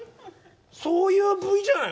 そういうＶじゃない。